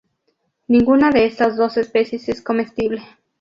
Ninguna de estas dos especies es comestible.